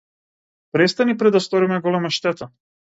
Престани пред да сториме голема штета.